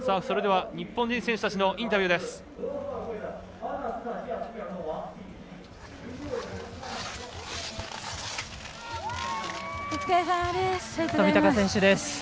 それでは日本人選手たちのインタビューです。